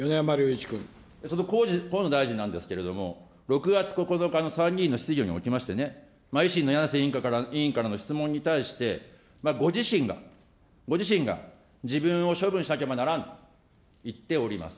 その河野大臣なんですけれども、６月９日の参議院の質疑におきまして、維新のやなせ委員からの質問に対して、ご自身が、自分を処分しなければならんと言っております。